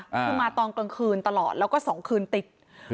คือมาตอนกลางคืนตลอดแล้วก็๒คืนติด